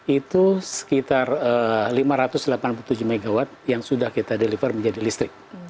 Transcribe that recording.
itu sekitar lima ratus delapan puluh tujuh mw yang sudah kita deliver menjadi listrik